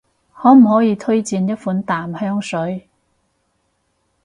可唔可以推薦一款淡香水？